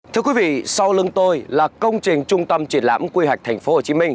thưa quý vị sau lưng tôi là công trình trung tâm triển lãm quy hoạch thành phố hồ chí minh